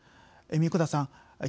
神子田さん。